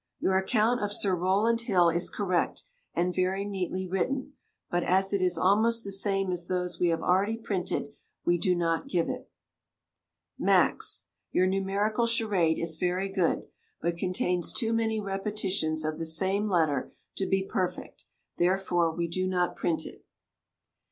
Your account of Sir Rowland Hill is correct, and very neatly written, but as it is almost the same as those we have already printed, we do not give it. "MAX." Your numerical charade is very good, but contains too many repetitions of the same letter to be perfect; therefore we do not print it.